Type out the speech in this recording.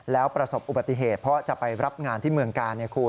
แล้วประสบอุบัติเหตุเพราะจะไปรับงานที่เมืองกาล